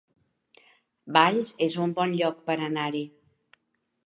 Valls es un bon lloc per anar-hi